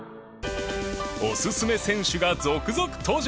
おすすめ選手が続々登場！